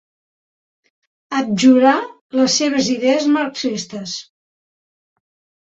Abjurà les seves idees marxistes.